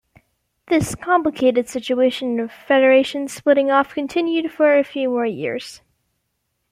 This complicated situation of federations splitting off continued for a few more years.